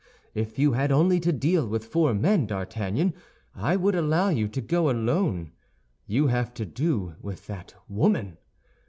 If you had only to deal with four men, D'Artagnan, I would allow you to go alone. You have to do with that woman!